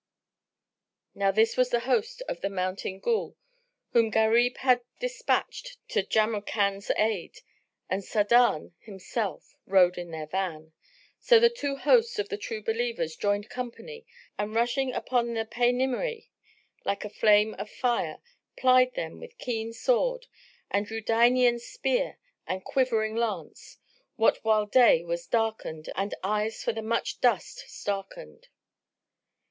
Now this was the host of the Mountain Ghul whom Gharib had despatched to Jamrkan's aid, and Sa'adan himself rode in their van. So the two hosts of the True Believers joined company and rushing upon the Paynimry like a flame of fire, plied them with keen sword and Rudaynian spear and quivering lance, what while day was darkened and eyes for the much dust starkened.